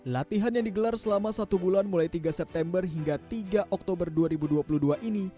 latihan yang digelar selama satu bulan mulai tiga september hingga tiga oktober dua ribu dua puluh dua ini